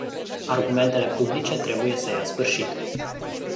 Argumentele publice trebuie să ia sfârșit.